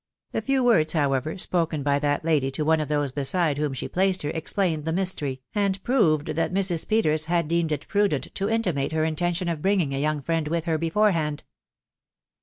A few words, however, spoken by that lady to one of those beside whom she placed her, explained the mystery, and proved that Mrs. Peters had deemed it prudent to intimate her intention of bringing a young friend with her beforehand.